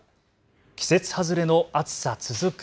季節外れの暑さ続く。